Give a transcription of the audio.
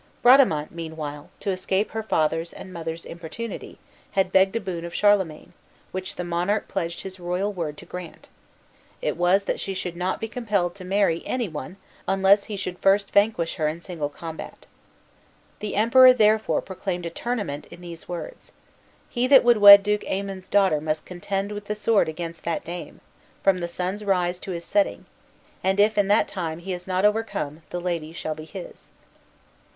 Bradamante, meanwhile, to escape her father's and mother's importunity, had begged a boon of Charlemagne, which the monarch pledged his royal word to grant; it was that she should not be compelled to marry any one unless he should first vanquish her in single combat. The Emperor therefore proclaimed a tournament in these words: "He that would wed Duke Aymon's daughter must contend with the sword against that dame, from the sun's rise to his setting; and if, in that time, he is not overcome the lady shall be his."